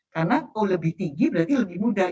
karena tuh lebih tinggi berarti lebih mudah